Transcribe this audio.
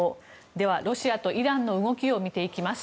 では、ロシアとイランの動きを見ていきます。